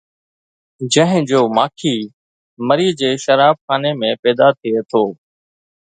جنهن جو ماکي مري جي شراب خاني ۾ پيدا ٿئي ٿو.